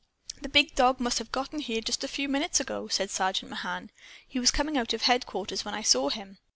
"The big dog must have gotten here just a few minutes ago," said Sergeant Mahan. "He was coming out of headquarters when I saw him.